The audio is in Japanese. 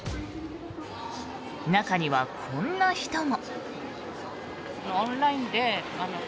中には、こんな人も。